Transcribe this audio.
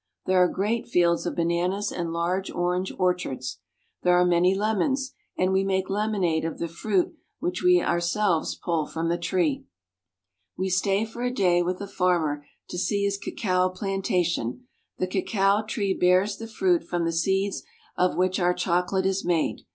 There are great fields of bananas and large orange orchards. There are many lemons, and we make lem onade of the fruit which we our selves pull from the trees. We stay for a day with a farmer to see his cacao planta tion. The cacao tree bears the fruit from the seeds of which our chocolate is made.